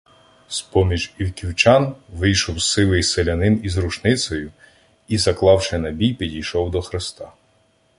З-поміж івківчан вийшов сивий селянин із рушницею і, заклавши набій, підійшов до хреста.